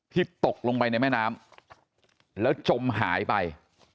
ตกลงไปในแม่น้ำแล้วจมหายไป